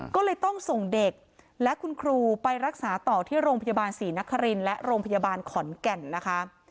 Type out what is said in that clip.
ก็เลยต้องส่งเด็กและคุณครูไปรักษาต่อที่โรงพยาบาลศรีนครินและโรงพยาบาลขอนแก่นนะคะ